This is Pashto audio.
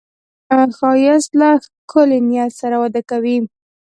ښایست له ښکلي نیت سره وده کوي